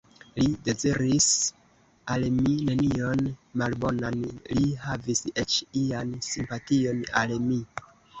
Li deziris al mi nenion malbonan; li havis eĉ ian simpation al mi.